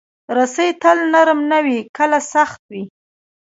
رسۍ تل نرم نه وي، کله سخت وي.